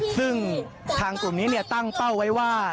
ซึ่งทางกลุ่มนี้ตั้งเป้าไว้ว่า